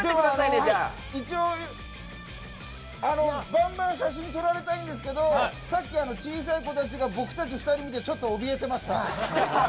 バンバン写真撮られたいんですけどさっき小さい子たちが僕たちを見てちょっとおびえてました。